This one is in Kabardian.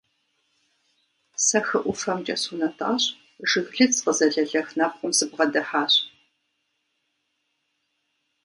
Сэ хы ӀуфэмкӀэ сунэтӀащ, жыглыц къызэлэлэх нэпкъым сыбгъэдыхьащ.